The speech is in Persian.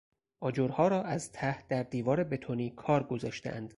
آجرها را از ته در دیوار بتونی کار گذاشتهاند.